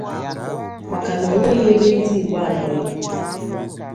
maka na o nweghị ebe ndị Igbo anọghị